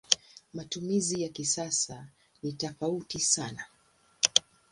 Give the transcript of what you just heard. Matumizi ya kisasa ni tofauti sana.